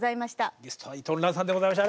ゲストは伊藤蘭さんでございました。